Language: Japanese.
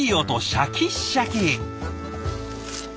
シャキッシャキ！